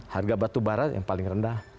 harga batubara yang paling rendah